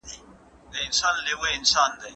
که تعلیم فکر وروزي، قضاوت ناسم نه کېږي.